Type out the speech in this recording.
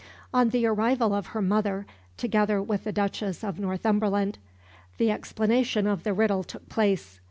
On the arrival of her mother, together with the Duchess of Northumberland, the explanation of the riddle took place.